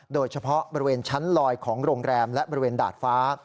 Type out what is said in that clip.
โดยเฉพาะบริเวณชั้นลอยของโรงแรมและบริเวณดาดฟ้า